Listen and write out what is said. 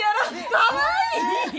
かわいい！